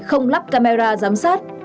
không lắp camera giám sát